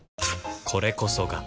これこそが